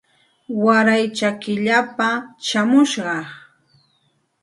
Waray chakillapa shamushaq